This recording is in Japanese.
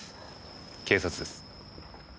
警察です。